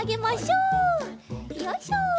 よいしょ！